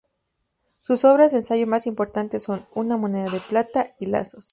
Sus obras de ensayo más importantes son "Una moneda de plata" y "Lazos".